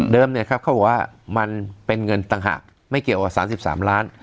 เดิมเนี่ยครับเค้าบอกว่ามันเป็นเงินต่างหากไม่เกี่ยวกับ๓๓ล้าน